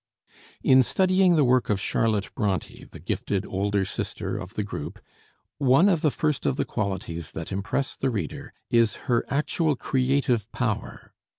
In studying the work of Charlotte Bronté, the gifted older sister of the group, one of the first of the qualities that impress the reader is her actual creative power.